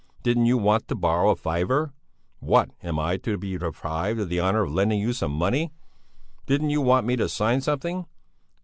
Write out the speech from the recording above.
Didn't you want to borrow a fiver? What? Am I to be deprived of the honour of lending you some money? Didn't you want me to sign something?